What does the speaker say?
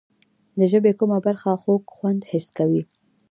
د ژبې کومه برخه خوږ خوند حس کوي؟